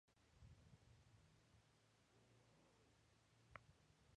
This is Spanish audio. Ha colaborado como articulista para la revista "Proceso" y para el periódico "Reforma".